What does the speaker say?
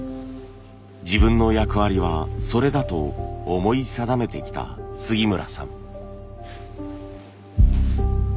自分の役割はそれだと思い定めてきた杉村さん。